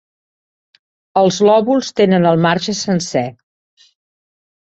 Els lòbuls tenen el marge sencer.